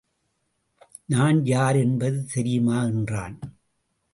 நான் யார் என்பது தெரியுமா? என்றான்.